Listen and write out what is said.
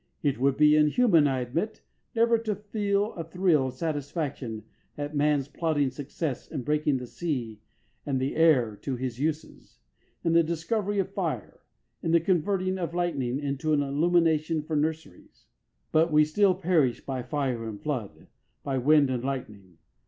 It would be inhuman, I admit, never to feel a thrill of satisfaction at man's plodding success in breaking the sea and the air to his uses, in the discovery of fire, in converting the lightning into an illumination for nurseries. But we still perish by fire and flood, by wind and lightning.